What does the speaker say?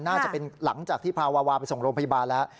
น่าจะเป็นหลังจากที่พาวาวาไปส่งโรงพยาบาลแล้ว